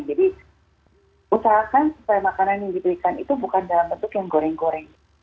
jadi usahakan supaya makanan yang diberikan itu bukan dalam bentuk yang goreng goreng